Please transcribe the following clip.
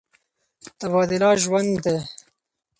تبادله ژوند دی.